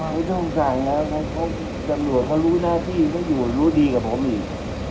ไม่ต้องสั่งแล้วนะจังหลวงเขารู้หน้าที่รู้ดีกับผมอีก